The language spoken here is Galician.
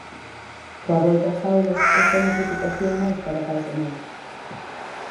Coa volta ás aulas, esta é unha preocupación máis para pais e nais.